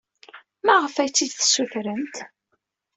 Maɣef ay t-id-tessutremt?